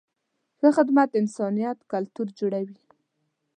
ښه خدمت د انسانیت کلتور جوړوي.